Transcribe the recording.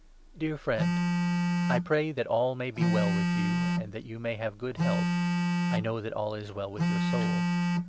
Dear friend, I pray that all may be well with you and that 2 you may have good health — I know that all is well with your soul.